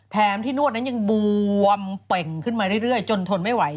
แถมที่นวดนั้นยังบวมเป่งขึ้นมาเรื่อยจนทนไม่ไหว